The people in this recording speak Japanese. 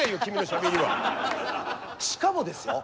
しかもですよ